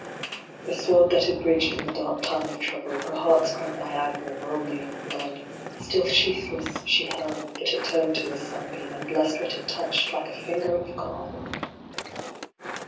The sword that had bridged in the dark time of trouble, Her heart s grand Niagara rolling in blood ; Still sheathless she held ; but it turned to a sunbeam, And blessed what it touched, like a finger of God